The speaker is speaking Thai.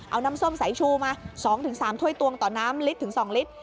เอาน้ำส้มสายชูมา๒๓ถ้วยตวงต่อน้ำลิตรถึง๒ลิตร